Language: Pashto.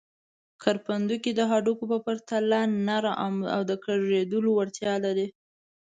کرپندوکي د هډوکو په پرتله نرم او د کږېدلو وړتیا لري.